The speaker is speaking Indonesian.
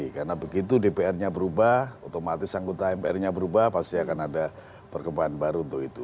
karena begitu dpr nya berubah otomatis anggota mpr nya berubah pasti akan ada perkembangan baru untuk itu